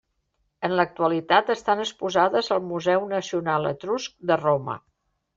En l'actualitat estan exposades al Museu Nacional Etrusc de Roma.